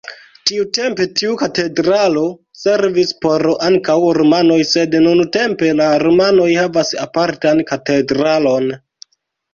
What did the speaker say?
Tiutempe tiu katedralo servis por ankaŭ rumanoj, sed nuntempe la rumanoj havas apartan katedralon.